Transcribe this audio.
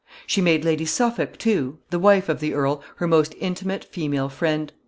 She made Lady Suffolk, too the wife of the earl her most intimate female friend.